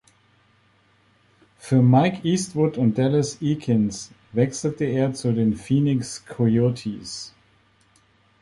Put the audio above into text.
Für Mike Eastwood und Dallas Eakins wechselte er zu den Phoenix Coyotes.